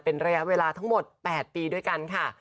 เป็นระยะเวลาทั้งหมด๘ปีด้วยกันค่ะ